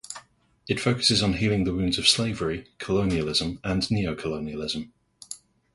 It focuses on healing the wounds of slavery, colonialism, and neo-colonialism.